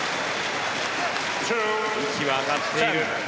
息は上がっている。